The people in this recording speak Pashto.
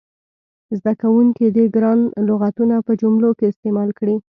زده کوونکي دې ګران لغتونه په جملو کې استعمال کړي.